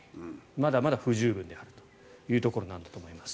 まだまだ不十分であるというところなんだと思います。